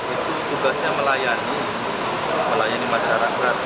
itu tugasnya melayani masyarakat